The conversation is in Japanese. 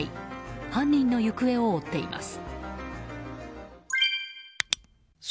犯人の行方を追っています。